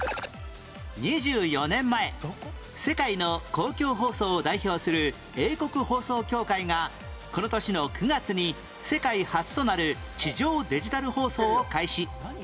２４年前世界の公共放送を代表する英国放送協会がこの年の９月に世界初となる地上デジタル放送を開始